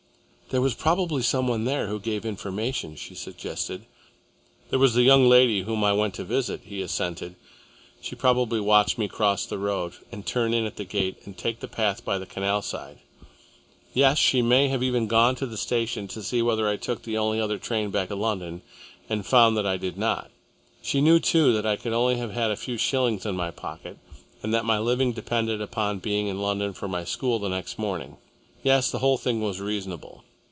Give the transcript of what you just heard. "There was probably some one there who gave information," she suggested. "There was the young lady whom I went to visit," he assented. "She probably watched me cross the road and turn in at that gate and take the path by the canal side. Yes, she may even have gone to the station to see whether I took the only other train back to London, and found that I did not. She knew, too, that I could only have had a few shillings in my pocket, and that my living depended upon being in London for my school the next morning. Yes, the whole thing was reasonable."